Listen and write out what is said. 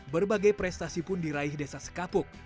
berbagai prestasi pun diraih desa sekapuk